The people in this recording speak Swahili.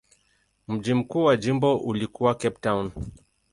Mji mkuu wa jimbo ulikuwa Cape Town.